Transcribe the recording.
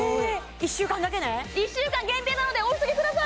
１週間だけね１週間限定なのでお急ぎください！